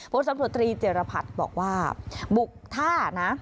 ตำรวจตรีเจรพัฒน์บอกว่าบุกท่านะ